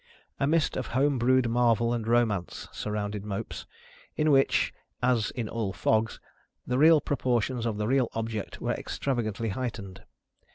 A mist of home brewed marvel and romance surrounded Mopes, in which (as in all fogs) the real proportions of the real object were extravagantly heightened.